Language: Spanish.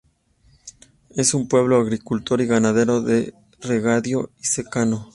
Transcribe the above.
Es un pueblo agricultor y ganadero de regadío y secano.